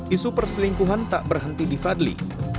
isu perselingkuhan tak berhenti di fadli